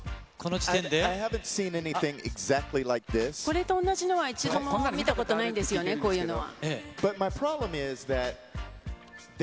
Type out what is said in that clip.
これと同じのは一度も見たことないんですよね、こういうのは。